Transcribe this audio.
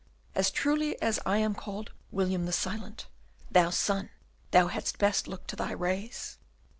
as truly as I am called William the Silent, thou Sun, thou hadst best look to thy rays!"